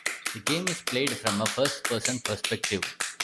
The game is played from a first-person perspective.